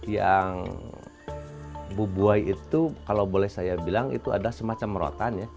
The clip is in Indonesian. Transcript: yang bubuai itu kalau boleh saya bilang itu ada semacam rotan ya